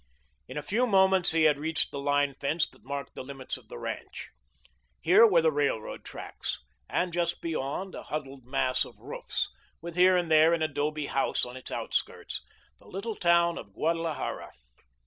In a few moments he had reached the line fence that marked the limits of the ranch. Here were the railroad tracks, and just beyond a huddled mass of roofs, with here and there an adobe house on its outskirts the little town of Guadalajara.